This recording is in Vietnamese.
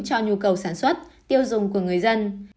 cho nhu cầu sản xuất tiêu dùng của người dân